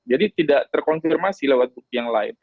jadi tidak terkonfirmasi lewat bukti yang lain